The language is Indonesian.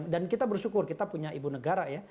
dan kita bersyukur kita punya ibu negara ya